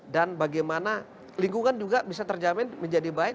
dan bagaimana lingkungan juga bisa terjamin menjadi baik